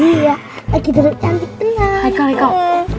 iya lagi tercampur tenang